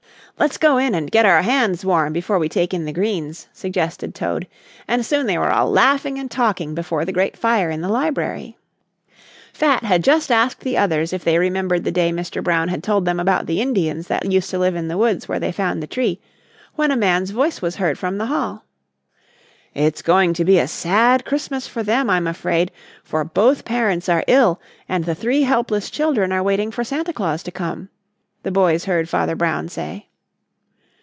"Let's go in and get our hands warm before we take in the greens," suggested Toad, and soon they were all laughing and talking before the great fire in the library. Fat had just asked the others if they remembered the day Mr. Brown had told them about the Indians that used to live in the woods where they found the tree, when a man's voice was heard from the hall. "It's going to be a sad Christmas for them, I'm afraid, for both parents are ill and the three helpless children are waiting for Santa Claus to come," the boys heard Father Brown say.